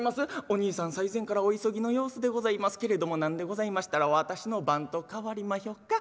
『おにいさん最前からお急ぎの様子でございますけれどもなんでございましたら私の番と代わりまひょか？